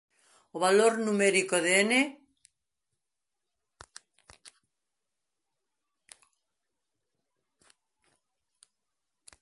O valor numérico de "n"!